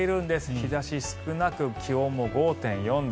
日差し少なく、気温も５．４度。